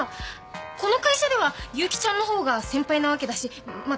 この会社では悠季ちゃんの方が先輩なわけだしまっ